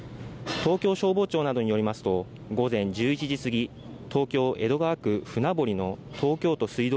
東京消防庁などによりますと午前１１時すぎ東京・江戸川区船堀の東京都水道